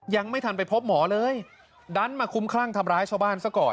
ยังไม่ทันไปพบหมอเลยดันมาคุ้มคลั่งทำร้ายชาวบ้านซะก่อน